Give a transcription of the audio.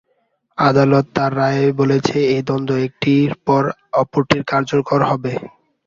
আদালত তার রায়ে বলেছেন, এই দণ্ড একটির পর অপরটি কার্যকর হবে।